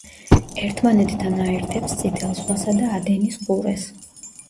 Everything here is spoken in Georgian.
ერთმანეთთან აერთებს წითელ ზღვასა და ადენის ყურეს.